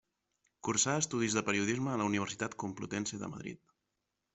Cursà estudis de periodisme a la Universitat Complutense de Madrid.